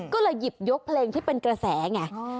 ก็เลยหยิบยกเพลงที่เป็นกระแสไง